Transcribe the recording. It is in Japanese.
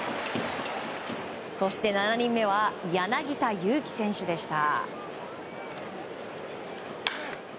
そして、７人目は柳田悠岐選手でした。